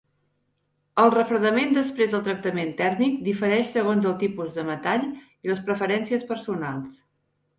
El refredament després del tractament tèrmic difereix segons el tipus de metall i les preferències personals.